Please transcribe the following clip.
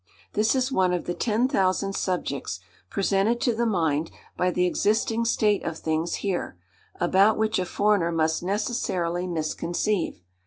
This is one of the ten thousand subjects, presented to the mind by the existing state of things here, about which a foreigner must necessarily misconceive.